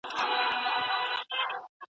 د سندي څيړني لپاره ځانګړي اصول سته.